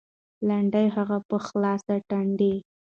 لنډه هغه په خلاصه ټنډه